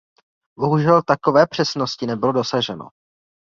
Bohužel takové přesnosti nebylo dosaženo.